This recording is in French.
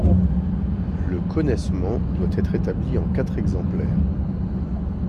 Le connaissement doit être établi en quatre exemplaires.